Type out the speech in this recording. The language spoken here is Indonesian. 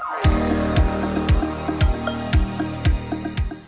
tidak ada penampilan